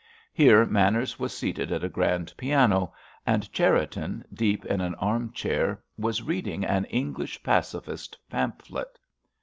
Here Manners was seated at a grand piano, and Cherriton, deep in an arm chair, was reading an English Pacifist pamphlet.